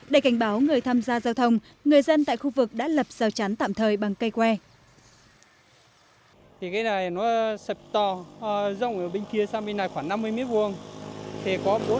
để cảnh báo người tham gia giao thông người dân tại khu vực đã lập rào chắn tạm thời bằng cây que